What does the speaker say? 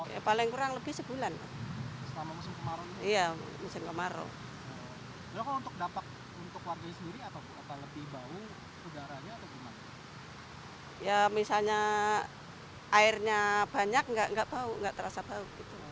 ya misalnya airnya banyak gak terasa bau